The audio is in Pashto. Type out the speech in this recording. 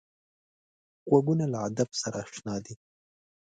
غوږونه له ادب سره اشنا دي